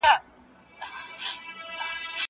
زه به سبا د ښوونځی لپاره تياری کوم!؟